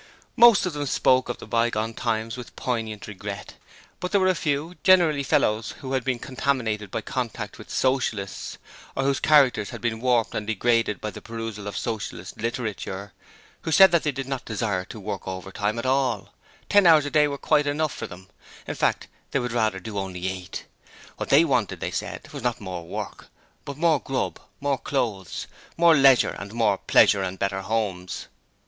Most of them spoke of those bygone times with poignant regret, but there were a few generally fellows who had been contaminated by contact with Socialists or whose characters had been warped and degraded by the perusal of Socialist literature who said that they did not desire to work overtime at all ten hours a day were quite enough for them in fact they would rather do only eight. What they wanted, they said, was not more work, but more grub, more clothes, more leisure, more pleasure and better homes.